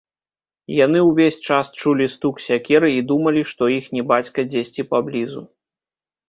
Яны ўвесь час чулі стук сякеры і думалі, што іхні бацька дзесьці паблізу